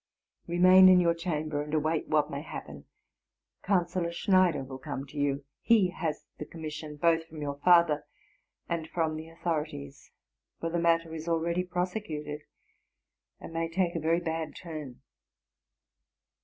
Remain in your chamber, and await what may happen. Councillor Schneider will come to you: he has the commission both from your father and from the authorities; for the matter is already prosecuted, and may take a very bad turn.